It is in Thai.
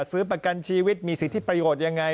ซื้อประกันชีวิตมีสิทธิประโยชน์ยังไง